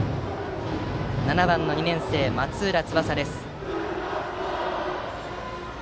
７番の２年生、松浦翼です。